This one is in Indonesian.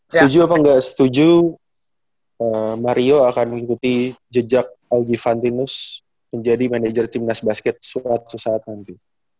setuju apa nggak setuju mario akan mengikuti jejak algi vantinus menjadi manajer timnas basket suatu saat nanti